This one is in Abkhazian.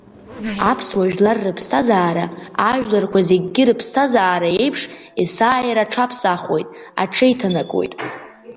Аԥсуа жәлар рыԥсҭазаара, ажәларқәа зегьгьы рыԥсҭазаара еиԥш, есааира аҽаԥсахуеит, аҽеиҭанакуеит.